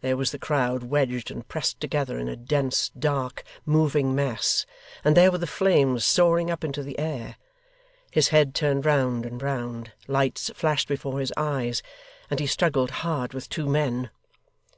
There was the crowd wedged and pressed together in a dense, dark, moving mass; and there were the flames soaring up into the air. His head turned round and round, lights flashed before his eyes, and he struggled hard with two men.